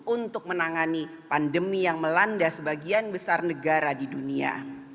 untuk menangani pandemi yang melanda sebagian besar negara di dunia